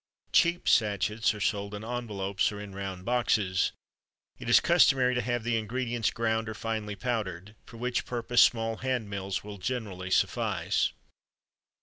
Cheap sachets are sold in envelopes or in round boxes. It is customary to have the ingredients ground or finely powdered, for which purpose small hand mills will generally suffice.